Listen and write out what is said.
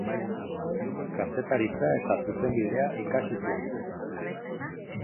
Kazetaritza eta Zuzenbidea ikasi zuen.